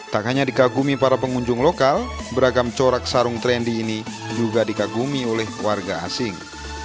tak hanya dikagumi para pengunjung lokal beragam corak sarung trendy ini juga dikagumi oleh warga asing